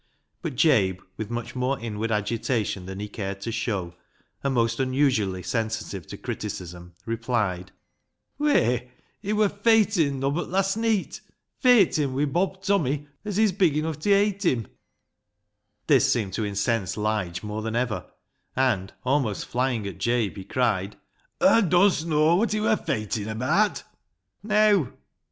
But Jabe, with much more inward agitation than he cared to show, and most unusually sensitive to criticism, replied —" Whey, he wur feightin' nobbut last neet ; feightin' wi' Bob Tommy as is big eneugh ta eight [eat] him," This seemed to incense Lige more than ever, and, almost flying at Jabe, he cried —" An' dost know wot he wur feightin' abaat ?"" Neaw."